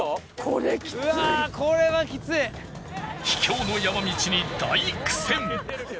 秘境の山道に大苦戦！